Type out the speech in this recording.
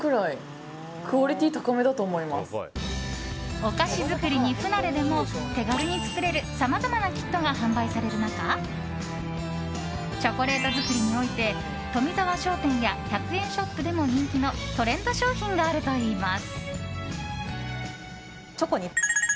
お菓子作りに不慣れでも手軽に作れるさまざまなキットが販売される中チョコレート作りにおいて富澤商店や１００円ショップでも人気のトレンド商品があるといいます。